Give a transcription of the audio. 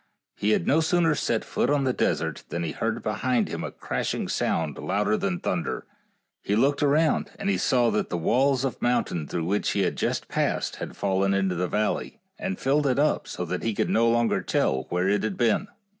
He had no sooner set foot upon the desert than he heard behind him a crashing sound louder than thunder. He looked around, and he saw that the walls of mountain through which he had just passed had fallen into the valley, and filled it up 66 FAIEY TALES so that he could no longer tell where it had been.